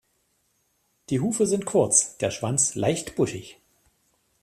Die Hufe sind kurz, der Schwanz leicht buschig.